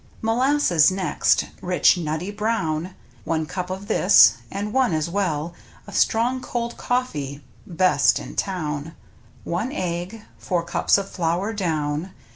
Molasses next — rich, nutty, brown — One cup of this, and one as well Of strong, cold coffee — best in town — One egg, four cups of flour down.